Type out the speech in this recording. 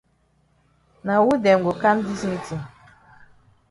Na wu dem go kam dis meetin?